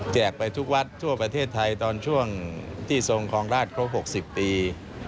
ไปทุกวัดทั่วประเทศไทยตอนช่วงที่ทรงครองราชครบ๖๐ปี